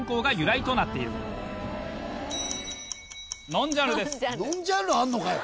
ノンジャンルあんのかよ。